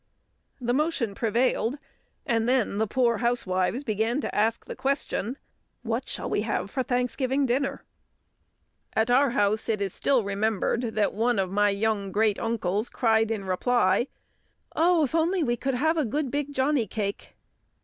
The motion prevailed; and then the poor housewives began to ask the question, "What shall we have for Thanksgiving dinner?" At our house it is still remembered that one of my young great uncles cried in reply, "Oh, if we could only have a good big johnnycake!"